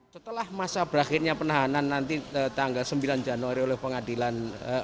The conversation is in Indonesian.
setelah masa berakhirnya penahanan nanti tanggal sembilan januari oleh pengadilan